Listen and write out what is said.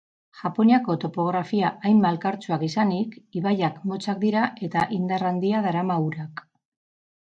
Japoniako topografia hain malkartsua izanik, ibaiak motzak dira eta indar handia darama urak.